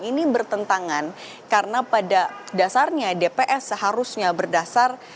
ini bertentangan karena pada dasarnya dps seharusnya berdasar